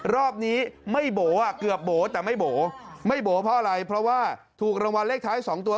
รอบนี้ไม่โบ๋อ่ะเกือบโบ๋แต่ไม่โบ๋ไม่โบ๋เพราะอะไรเพราะว่าถูกรางวัลเลขท้ายสองตัว